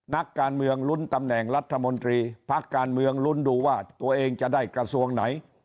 นักการเมืองลุ้นตำแหน่งรัฐมนตรีพักการเมืองลุ้นดูว่าตัวเองจะได้กระทรวงไหน